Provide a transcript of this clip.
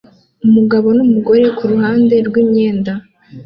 umugore numugabo kuruhande rwimyenda